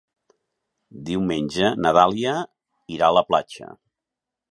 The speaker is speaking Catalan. Diumenge na Dàlia irà a la platja.